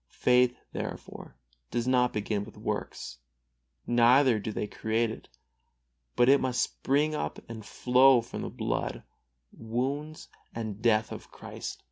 Faith, therefore, does not begin with works, neither do they create it, but it must spring up and flow from the blood, wounds and death of Christ.